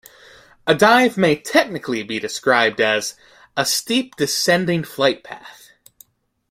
A dive may technically be described as "a steep descending flight path".